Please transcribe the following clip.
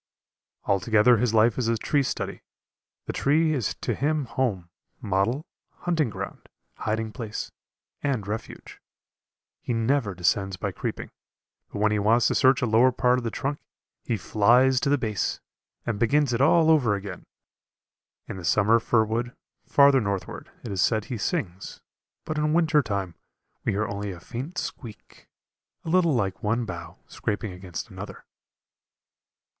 Altogether his life is a tree study; the tree is to him home, model, hunting ground, hiding place, and refuge. He never descends by creeping, but when he wants to search a lower part of the trunk, he flies to the base, and begins it all over again. In the summer fir wood, farther northward, it is said he sings, but in winter time we hear only a faint squeak, a little like one bough scraping against another.